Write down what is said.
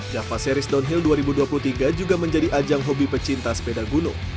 java series downhill dua ribu dua puluh tiga juga menjadi ajang hobi pecinta sepeda gunung